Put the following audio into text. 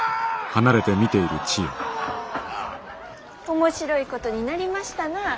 面白いことになりましたなあ。